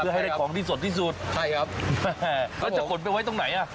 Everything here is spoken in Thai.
เพื่อให้ได้ของที่สดที่สุดเพื่อให้ได้ของที่สดที่สุดเพื่อให้ได้ของที่สดที่สุด